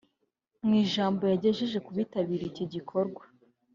Mu ijambo yagejeje ku bitabiriye iki gikorwa